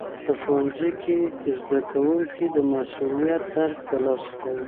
په ښوونځي کي زدهکوونکي د مسوولیت درک ترلاسه کوي.